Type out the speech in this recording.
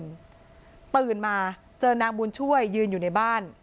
ตื่นมาเจอนางบุญช่วยยืนอยู่ในบ้าน